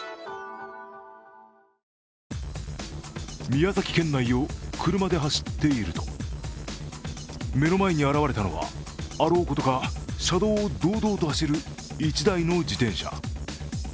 宮崎県内を車で走っていると目の前に現れたのはあろうことか車道を堂々と走る１台の自転車。